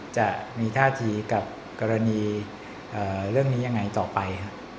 จะมีท่าทีกับกรณีเรื่องนี้ยังไงต่อไป